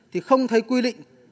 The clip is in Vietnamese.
thì không thấy quy định